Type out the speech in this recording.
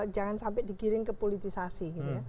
jangan sampai dikiring ke politisasi gitu ya